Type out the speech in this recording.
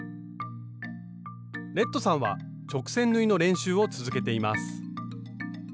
レッドさんは直線縫いの練習を続けています